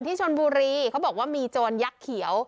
ที่ชนบุรีเขาบอกว่ามีโจรยักษ์เขียว